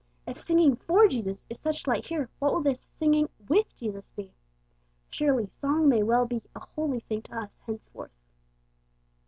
If 'singing for Jesus' is such delight here, what will this 'singing with Jesus' be? Surely song may well be a holy thing to us henceforth.